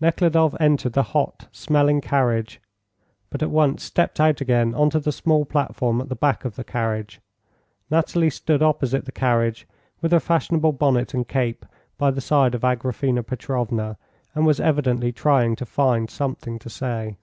Nekhludoff entered the hot, smelling carriage, but at once stepped out again on to the small platform at the back of the carriage. Nathalie stood opposite the carriage, with her fashionable bonnet and cape, by the side of Agraphena Petrovna, and was evidently trying to find something to say.